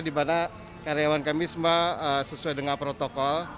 dimana karyawan kami semua sesuai dengan protokol